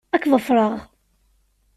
Ad k-ḍefṛeɣ.